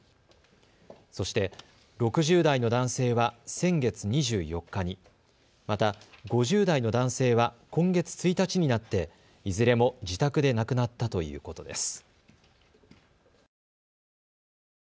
そして６０代の男性は先月２４日に、また５０代の男性は今月１日になっていずれも自宅で亡くなったということです。